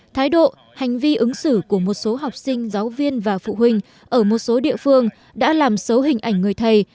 thái độ hành vi ứng xử của một số học sinh giáo viên và phụ huynh ở một số địa phương đã làm xấu hình ảnh người thầy